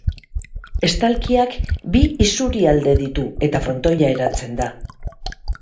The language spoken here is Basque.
Estalkiak bi isurialde ditu eta frontoia eratzen da.